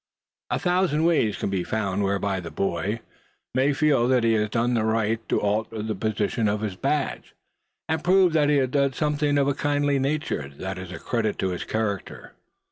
A thousand ways can be found whereby the boy may feel that he has a right to alter the position of his badge, and prove that he had done something of a kindly nature, that is a credit to his character.